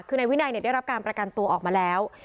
คือนายวินัยได้รับการประกันตัวออกมาแล้ว